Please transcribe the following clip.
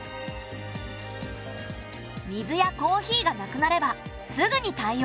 水やコーヒーがなくなればすぐに対応。